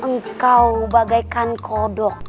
engkau bagaikan kodok